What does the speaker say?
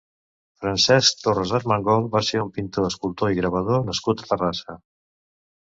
Francesc Torras Armengol va ser un pintor, escultor i gravador nascut a Terrassa.